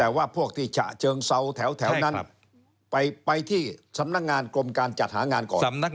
แต่ว่าพวกที่ฉะเชิงเซาแถวนั้นไปที่สำนักงานกรมการจัดหางานก่อน